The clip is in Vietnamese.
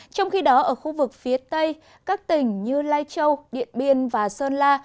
trong khi đó ở khu vực phía tây các tỉnh như lai châu điện biên và sơn la